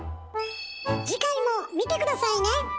次回も見て下さいね！